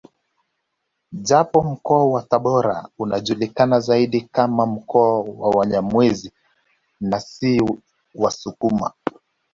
Japo mkoa wa Tabora unajulikana zaidi kama mkoa wa Wanyamwezi na si wasukuma